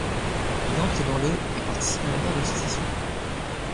Il entre dans le et participe à la guerre de Sécession.